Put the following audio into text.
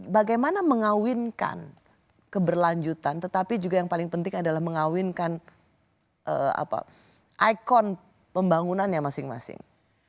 bagaimana mengawinkan keberlanjutan tetapi juga yang paling penting adalah mengawinkan ikon pembangunannya masing masing